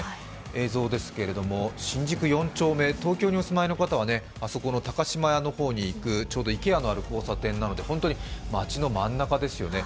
映像ですけれども、新宿４丁目、東京にお住まいの方は高島屋の方に行くちょうどＩＫＥＡがある交差点なので街の真ん中ですよね。